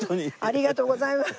ありがとうございます